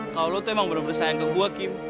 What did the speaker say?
kalau lo tuh emang bener bener bersaing ke gue kim